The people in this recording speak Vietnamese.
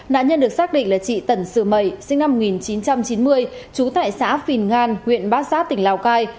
nạn nhân được xác định là chị tần sử mẩy sinh năm một nghìn chín trăm chín mươi trú tại xã phìn ngan huyện bát giáp tỉnh lào cai